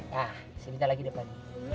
nah sebentar lagi depan